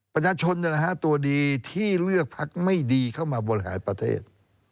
ประชาชนเนี่ยแหละฮะตัวดีที่เลือกภาคไม่ดีเข้ามาบริหารประเทศ